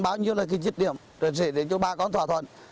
bao nhiêu là cái chiếc điểm rồi sẽ để cho bà con thỏa thuận